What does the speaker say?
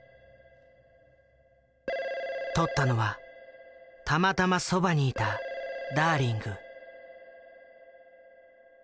☎取ったのはたまたまそばにいたダーリング。